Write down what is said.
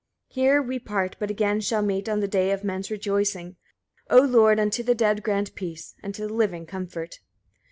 82. Here we part, but again shall meet on the day of men's rejoicing. Oh Lord! unto the dead grant peace, and to the living comfort.